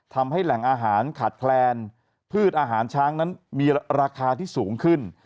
ทำให้แหล่งอาหารขาดแคลนพืชอาหารช้างนั้นมีราคาที่สูงขึ้น